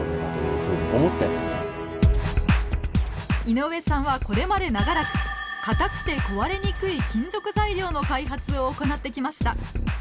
井上さんはこれまで長らく硬くて壊れにくい金属材料の開発を行ってきました。